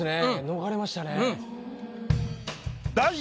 逃れましたね。